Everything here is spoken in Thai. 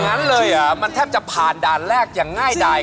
อย่างนั้นเลยมันแทบจะผ่านด้านแรกอย่างง่ายดาย